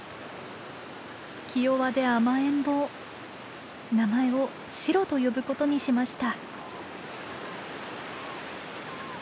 気弱で甘えん坊名前をシロと呼ぶことにしました。